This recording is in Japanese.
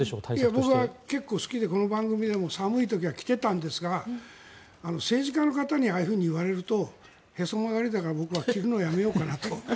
僕は結構好きでこの番組でも寒い時は着ていたんですが政治家の方にああいうふうに言われるとへそ曲がりだから僕は着るのをやめようかなと。